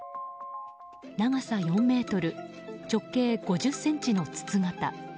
長さ４ｍ、直径５０ｃｍの筒形。